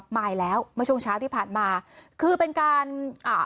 มายแล้วมาช่วงช้างที่ผ่านมาคือเป็นการอ่า